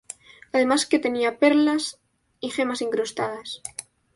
Además que tenía perlas y gemas incrustadas.